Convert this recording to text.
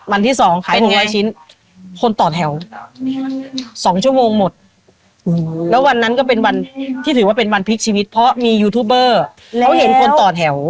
วันที่๒ขายเป็นร้อยชิ้นคนต่อแถว๒ชั่วโมงหมดแล้ววันนั้นก็เป็นวันที่ถือว่าเป็นวันพลิกชีวิตเพราะมียูทูบเบอร์เขาเห็นคนต่อแถว